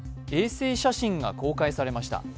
衛星写真が公開されました。